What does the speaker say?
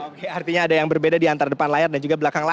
oke artinya ada yang berbeda di antar depan layar dan juga belakang laya